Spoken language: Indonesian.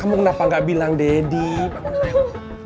kamu kenapa gak bilang deddy